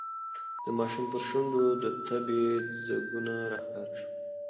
د ماشوم پر شونډو د تبې ځگونه راښکاره شول.